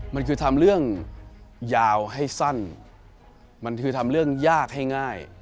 มันคือทำเรื่องยาวให้สั้นมันคือทำเรื่องยากให้ง่าย